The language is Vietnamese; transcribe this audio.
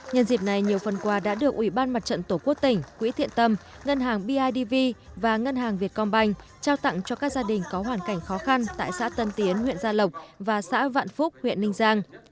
nhân dịp này nhiều phần quà đã được ủy ban mặt trận tổ quốc tỉnh quỹ thiện tâm ngân hàng bidv và ngân hàng việt công banh trao tặng cho các gia đình có hoàn cảnh khó khăn tại xã tân tiến huyện gia lộc và xã vạn phúc huyện ninh giang